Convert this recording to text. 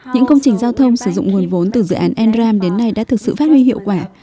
những công trình giao thông sử dụng nguồn vốn từ dự án enram đến nay đã thực sự phát huy hiệu quả